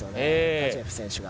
ガジエフ選手が。